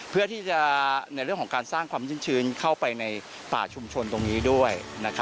เพื่อที่จะในเรื่องของการสร้างความชื่นชื้นเข้าไปในป่าชุมชนตรงนี้ด้วย